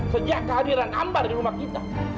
sejak kehadiran ambar di rumah kita